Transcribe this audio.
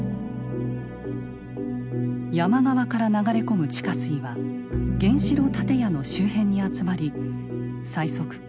山側から流れ込む地下水は原子炉建屋の周辺に集まり最速